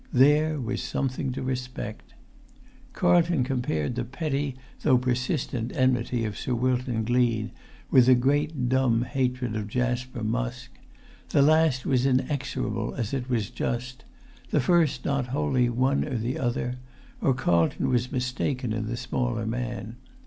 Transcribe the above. There was something to respect. Carlton compared the petty though persistent enmity of Sir Wilton Gleed with the great dumb hatred of Jasper Musk; the last was inexorable as it was just; the first not wholly one or the other, or Carlton was mistaken in the smaller man.